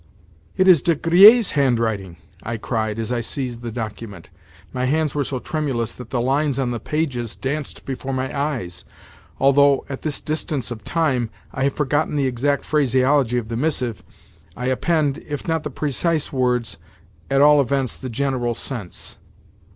"It is De Griers' handwriting!" I cried as I seized the document. My hands were so tremulous that the lines on the pages danced before my eyes. Although, at this distance of time, I have forgotten the exact phraseology of the missive, I append, if not the precise words, at all events the general sense.